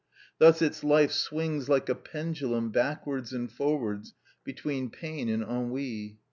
Thus its life swings like a pendulum backwards and forwards between pain and ennui.